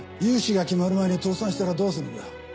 融資が決まる前に倒産したらどうするんだ？